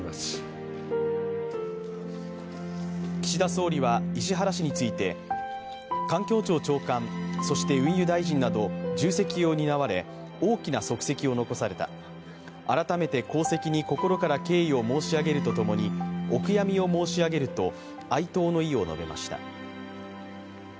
岸田総理は石原氏について環境庁長官、そして運輸大臣など重責を担われ大きな足跡を残された、改めて功績に心から敬意を申し上げるとともにお悔やみを申し上げると哀悼の意を述べました。